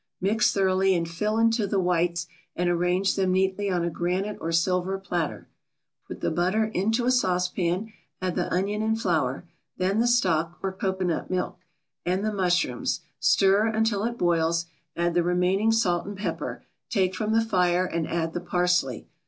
Mix thoroughly and fill into the whites and arrange them neatly on a granite or silver platter. Put the butter into a saucepan, add the onion and flour, then the stock or cocoanut milk, and the mushrooms; stir, until it boils, add the remaining salt and pepper; take from the fire and add the parsley.